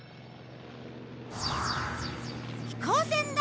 飛行船だ！